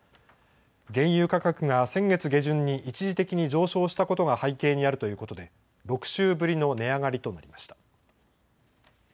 原油価格が先月下旬に一時的に上昇したことが背景にあるということで６週ぶりの値上がりとなりました。